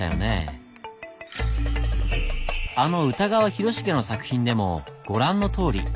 あの歌川広重の作品でもご覧のとおり。